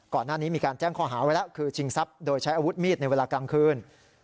ก่อนหน้านี้มีการแจ้งข้อหาไว้แล้วคือชิงทรัพย์โดยใช้อาวุธมีดในเวลากลางคืน